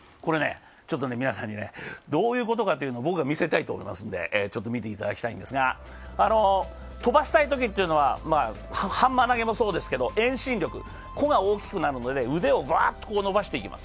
皆さんにどういうことかというのを僕が見せたいと思います、ちょっと見ていただきたいんですが、飛ばしたいときというのはハンマー投げもそうですけど遠心力が大きくなるので腕をバーッと伸ばしていきます。